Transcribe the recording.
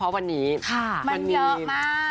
สำหรับนี้มันเยอะมาก